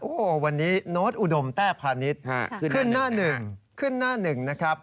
โอ้วววันนี้โน๊ตอุดมแท่พาณิชย์ขึ้นหน้า๑